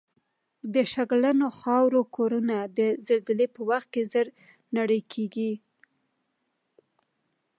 د شګلنو خاورو کورنه د زلزلې په وخت زر نړیږي